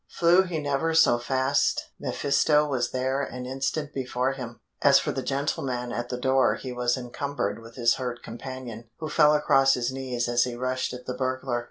Flew he never so fast mephisto was there an instant before him. As for the gentleman at the door he was encumbered with his hurt companion, who fell across his knees as he rushed at the burglar.